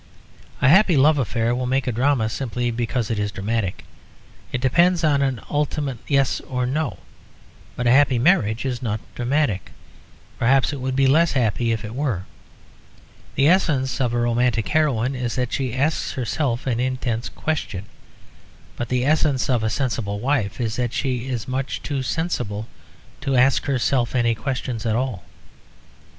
A happy love affair will make a drama simply because it is dramatic; it depends on an ultimate yes or no. But a happy marriage is not dramatic; perhaps it would be less happy if it were. The essence of a romantic heroine is that she asks herself an intense question; but the essence of a sensible wife is that she is much too sensible to ask herself any questions at all.